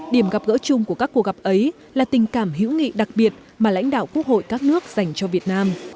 điểm gặp gỡ chung của các cuộc gặp ấy là tình cảm hữu nghị đặc biệt mà lãnh đạo quốc hội các nước dành cho việt nam